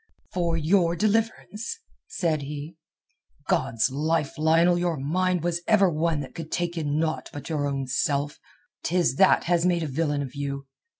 "For your deliverance?" said he. "God's life! Lionel, your mind was ever one that could take in naught but your own self. 'Tis that has made a villain of you.